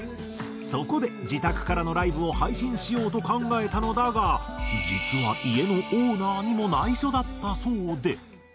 そこで自宅からのライブを配信しようと考えたのだが実は家のオーナーにも内緒だったそうで。